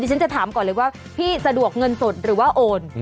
ฉันจะถามก่อนเลยว่าพี่สะดวกเงินสดหรือว่าโอน